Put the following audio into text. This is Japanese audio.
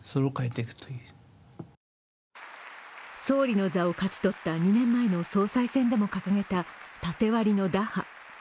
総理の座を勝ち取った２年前の総裁選でも掲げた縦割りの打破。